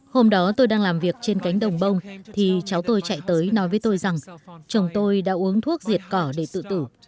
hôm đó tôi đang làm việc trên cánh đồng bông thì cháu tôi chạy tới nói với tôi rằng chồng tôi đã uống thuốc diệt cỏ để tự tử